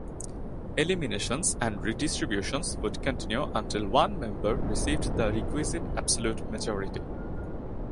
Eliminations and redistributions would continue until one member received the requisite absolute majority.